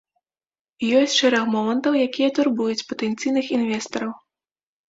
Ёсць шэраг момантаў, якія турбуюць патэнцыйных інвестараў.